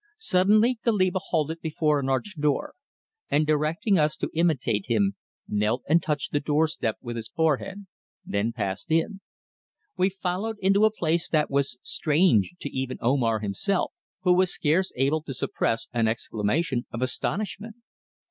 Suddenly Goliba halted before an arched door, and directing us to imitate him, knelt and touched the door step with his forehead, then passed in. We followed into a place that was strange to even Omar himself, who was scarce able to suppress an exclamation of astonishment.